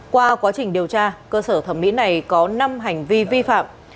qua quá trình điều tra cơ sở thẩm mỹ này có năm hành vi vi phạm